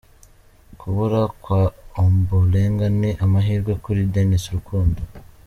Kubura kwa Ombolenga ni amahirwe kuri Denis Rukundo.